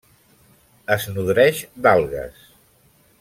Es nodreix d'algues.